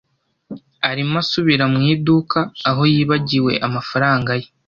Arimo asubira mu iduka aho yibagiwe amafaranga ye.